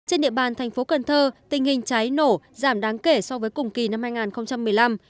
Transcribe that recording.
trên địa bàn thành phố cần thơ tình hình cháy nổ giảm đáng kể so với cùng kỳ năm hai nghìn một mươi năm